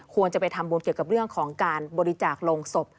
ควรจะไปทำบุญเกี่ยวกับเรื่องของการบริจาคโรงศพ